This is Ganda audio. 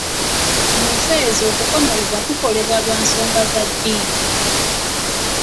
Mu nsi ezo okukomolebwa kukolebwa lwa nsonga za ddiini